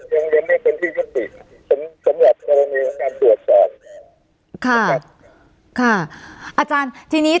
ยังยังไม่มีทางที่เข้าติด